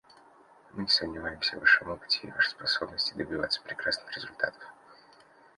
Мы не сомневаемся в Вашем опыте и в Вашей способности добиваться прекрасных результатов.